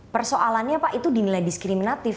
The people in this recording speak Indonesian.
persoalannya pak itu di nilai diskriminatif